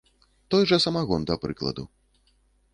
Той жа самагон, да прыкладу.